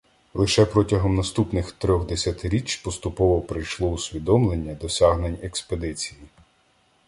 Лише протягом наступних трьох десятиріч поступово прийшло усвідомлення досягнень експедиції.